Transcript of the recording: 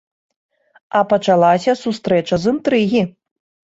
А пачалася сустрэча з інтрыгі.